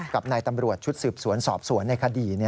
กับนายตำรวจชุดสืบสวนสอบสวนในคดี